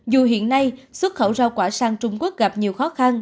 dù hiện nay xuất khẩu rau quả sang trung quốc gặp nhiều khó khăn